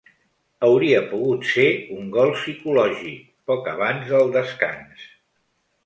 Hauria pogut ser un gol psicològic, poc abans del descans.